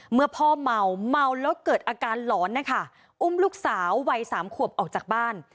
เมื่อพ่อเมาเมาแล้วเกิดอาการหลอนนะคะอุ้มลูกสาววัยสามขวบออกจากบ้าน